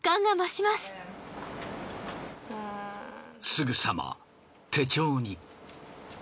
すぐさま手帳に。